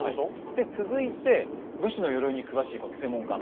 で続いて武士の鎧に詳しいこの専門家